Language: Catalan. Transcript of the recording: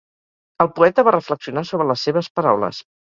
El poeta va reflexionar sobre les seves paraules.